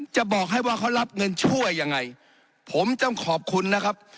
จะบอกให้ว่าเขารับเงินช่วยยังไงผมต้องขอบคุณนะครับ